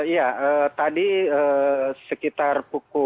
ya tadi sekitar